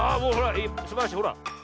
あすばらしいほら。